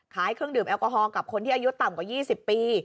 เครื่องดื่มแอลกอฮอลกับคนที่อายุต่ำกว่า๒๐ปี